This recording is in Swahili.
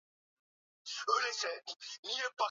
na burgers kwa watoto ni wazo nzuri kujua